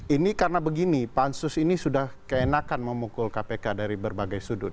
ini karena begini pansus ini sudah keenakan memukul kpk dari berbagai sudut